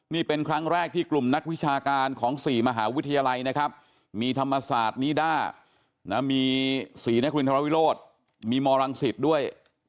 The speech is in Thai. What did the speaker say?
นี่เป็นครั้งแรกที่กลุ่มนักวิชาการของ๔มหาวิทยาลัยนะครับมีธรรมศาสตร์นิด้ามีศรีนครินทรวิโรธมีมรังสิตด้วย